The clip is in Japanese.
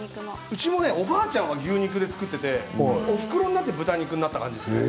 うちのおばちゃんが牛肉で作っていておふくろになって豚肉になった感じです。